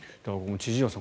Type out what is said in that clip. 千々岩さん